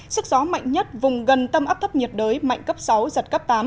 sức gió mạnh nhất vùng gần tâm áp thấp nhiệt đới mạnh cấp sáu giật cấp tám